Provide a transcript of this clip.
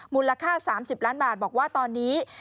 มูลค่า๓๐ล้านบาทบอกว่าตอนนี้